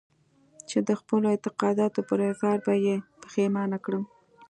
چې د خپلو اعتقاداتو پر اظهار به يې پښېمانه کړم.